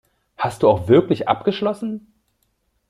Hast du auch wirklich abgeschlossen?